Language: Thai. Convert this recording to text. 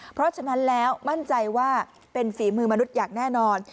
เพราะฉะนั้นแล้วมั่นใจว่าเป็นฝีมือมนุษย์อย่างแน่นอน